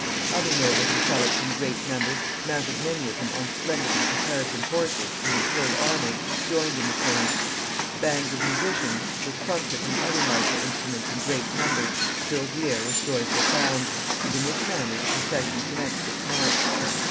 Other nobles and prelates in great numbers, mounted many of them on splendidly caparisoned horses, and in full armor, joined in the train. Bands of musicians, with trumpets and other martial instruments in great numbers, filled the air with joyful sounds, and in this manner the procession commenced its march.